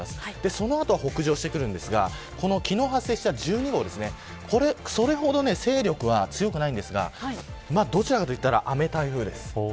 その後北上してくるんですが、昨日発生した１２号それほど勢力は強くないんですがどちらかといったら雨台風です。